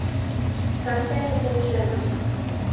— Кастене полшемыс.